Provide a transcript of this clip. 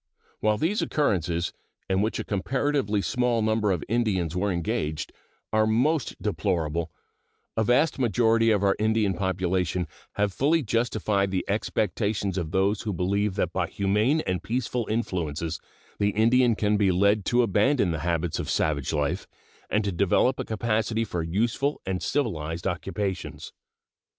While these occurrences, in which a comparatively small number of Indians were engaged, are most deplorable, a vast majority of our Indian population have fully justified the expectations of those who believe that by humane and peaceful influences the Indian can be led to abandon the habits of savage life and to develop a capacity for useful and civilized occupations.